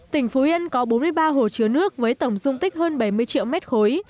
tỉnh phú yên có bốn mươi ba hồ chứa nước với tổng dung tích hơn bảy mươi triệu mét khối